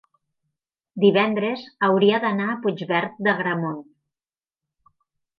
divendres hauria d'anar a Puigverd d'Agramunt.